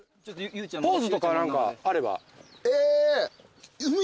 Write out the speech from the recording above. ポーズとか何かあれば。